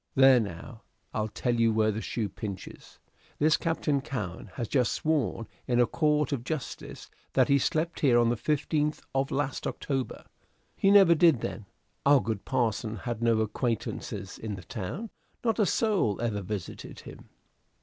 There, now, I'll tell you where the shoe pinches. This Captain Cowen has just sworn in a court of justice that he slept here on the 15th of last October." "He never did, then. Our good parson had no acquaintances in the town. Not a soul ever visited him."